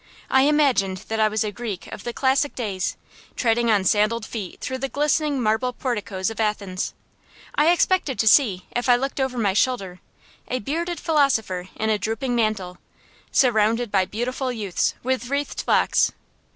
I imagined that I was a Greek of the classic days, treading on sandalled feet through the glistening marble porticoes of Athens. I expected to see, if I looked over my shoulder, a bearded philosopher in a drooping mantle, surrounded by beautiful youths with wreathed locks.